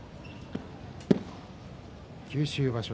九州場所